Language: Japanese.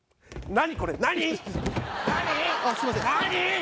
何！？